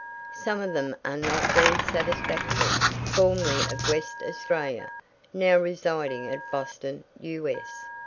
Some of them are not very satisfactory. 'Formerly of West Australia, now residing at Boston, U.S.